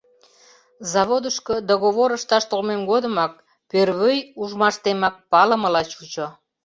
Заводышко договор ышташ толмем годымак, пӧрвӧй ужмаштемак, палымыла чучо.